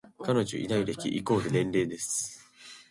彼女いない歴イコール年齢です